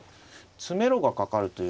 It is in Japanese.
詰めろがかかるというのは。